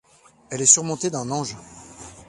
Elle est surmontée d'un ange.